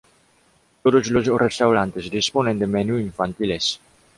Todos los restaurantes disponen de menú infantiles.